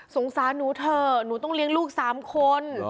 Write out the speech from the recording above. สารหนูเถอะหนูต้องเลี้ยงลูก๓คน